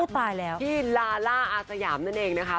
พี่ลาล่าอาสยามนั่นเองนะคะ